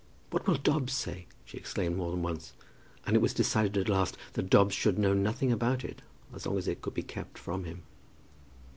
"What will Dobbs say?" she exclaimed more than once. And it was decided at last that Dobbs should know nothing about it as long as it could be kept from him.